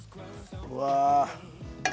うわ。